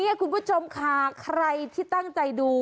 นี่คุณผู้ชมค่ะใครที่ตั้งใจดู